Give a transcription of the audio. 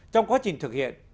trong quá trình thực hiện